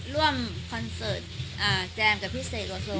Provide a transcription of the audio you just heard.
ร่วมคอนเสิร์ตแจมกับพี่เซ็กอ่ะโซ